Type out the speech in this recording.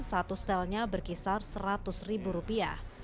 satu setelnya berkisar seratus ribu rupiah